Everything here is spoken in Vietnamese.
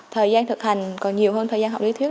thời gian thực hành còn nhiều hơn thời gian học lý thuyết